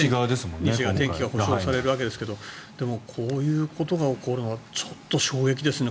西側、天気が保障されるわけですがでもこういうことが起こるのはちょっと衝撃ですね。